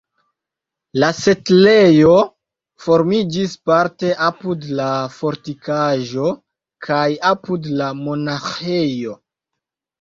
La setlejo formiĝis parte apud la fortikaĵo kaj apud la monaĥejo.